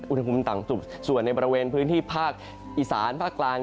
อุณหภูมิต่ำสุดส่วนในบริเวณพื้นที่ภาคอีสานภาคกลาง